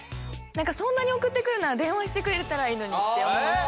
何かそんなに送ってくるなら電話してくれたらいいのにって思うし。